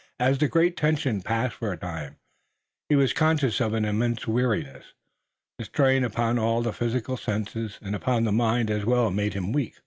As the great tension passed for a time he was conscious of an immense weariness. The strain upon all the physical senses and upon the mind as well made him weak.